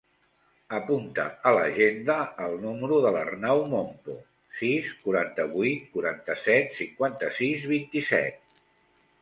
Apunta a l'agenda el número de l'Arnau Mompo: sis, quaranta-vuit, quaranta-set, cinquanta-sis, vint-i-set.